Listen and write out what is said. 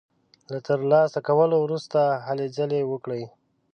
له تر لاسه کولو وروسته هلې ځلې وکړي.